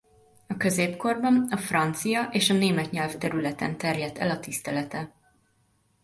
A középkorban a francia és a német nyelvterületen terjedt el a tisztelete.